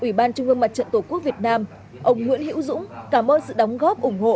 ủy ban trung ương mặt trận tổ quốc việt nam ông nguyễn hiễu dũng cảm ơn sự đóng góp ủng hộ